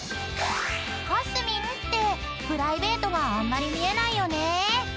［かすみんってプライベートがあんまり見えないよね］